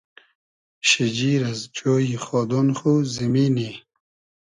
شیجیر از جۉی خۉدۉن خو , زیمینی